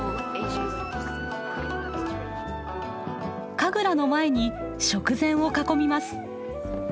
神楽の前に食膳を囲みます。